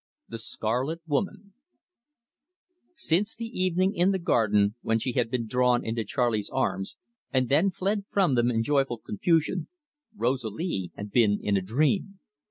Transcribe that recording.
THE SCARLET WOMAN Since the evening in the garden when she had been drawn into Charley's arms, and then fled from them in joyful confusion, Rosalie had been in a dream.